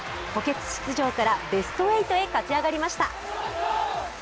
補欠出場からベスト８へ勝ち上がりました。